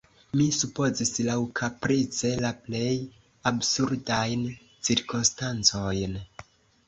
Mi supozis laŭkaprice la plej absurdajn cirkonstancojn.